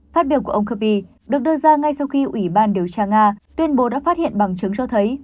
phát biểu của ông kirby được đưa ra ngay sau khi ủy ban điều tra nga tuyên bố đã phát hiện bằng chứng cho thấy